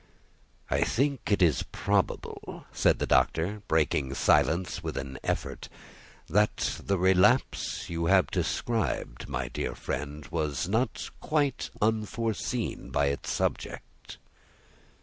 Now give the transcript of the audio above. "I think it probable," said the Doctor, breaking silence with an effort, "that the relapse you have described, my dear friend, was not quite unforeseen by its subject."